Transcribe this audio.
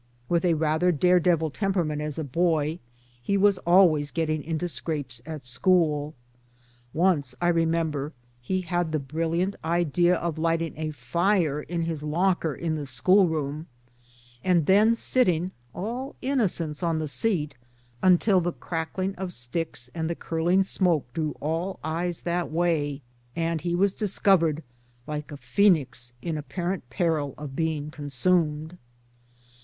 With a rather dare devil temperament as a boy he was always getting into scrapes at school [Once, I remember, he had the brilliant idea of lighting a fire in his locker in the schoolroom, and then sitting, all inno cence, on the seat until the crackling of sticks and the curling smoke drew all eyes that way, and he was discovered like the phcenix in apparent peril of being consumed